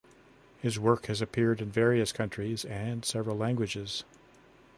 His work has appeared in various countries and several languages.